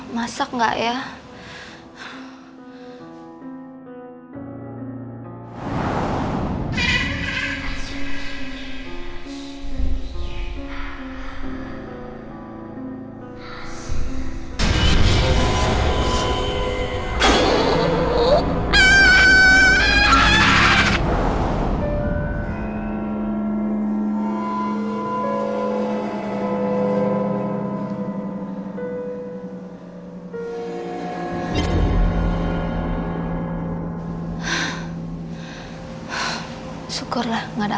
masak gak ya